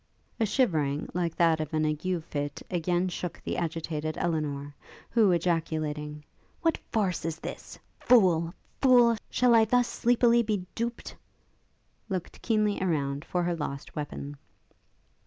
A shivering like that of an ague fit again shook the agitated Elinor, who, ejaculating, 'What farce is this? Fool! fool! shall I thus sleepily be duped?' looked keenly around for her lost weapon.